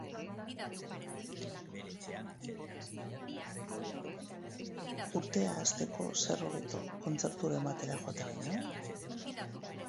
Urtea hasteko zer hobeto kontzerturen batera joatea baino?